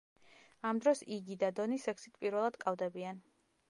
ამ დროს იგი და დონი სექსით პირველად კავდებიან.